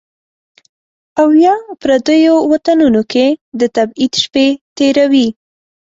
او یا، پردیو وطنونو کې د تبعید شپې تیروي